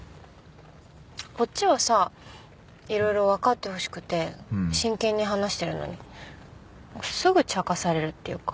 こっちはさいろいろわかってほしくて真剣に話してるのにすぐちゃかされるっていうか。